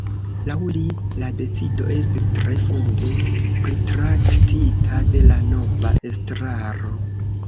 Laŭ li, la decido estis tre funde pritraktita de la nova estraro.